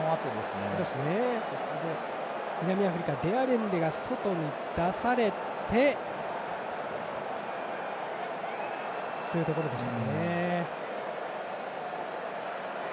南アフリカ、デアレンデが外に出されてというところでした。